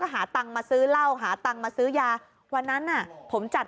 หาตังค์มาซื้อเหล้าหาตังค์มาซื้อยาวันนั้นน่ะผมจัด